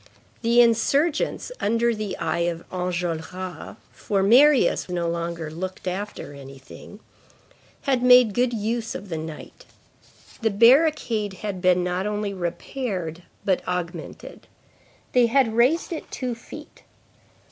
The insurgents under the eye of Enjolras, for Marius no longer looked after anything, had made good use of the night. The barricade had been not only repaired, but augmented. They had raised it two feet.